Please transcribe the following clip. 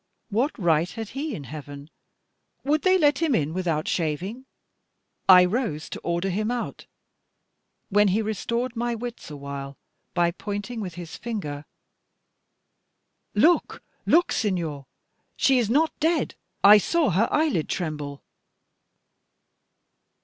What right had he in heaven? Would they let him in without shaving? I rose to order him out; when he restored my wits awhile by pointing with his finger. "Look, look, Signor! She is not dead, I saw her eyelid tremble."